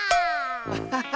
アッハハ！